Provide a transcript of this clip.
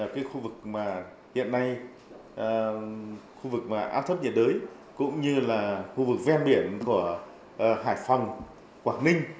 khu vực áp thấp nhiệt đới cũng như khu vực ven biển của hải phòng quảng ninh